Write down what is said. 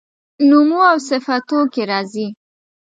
نومواوصفتوکي راځي